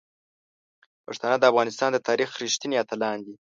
پښتانه د افغانستان د تاریخ رښتیني اتلان دي.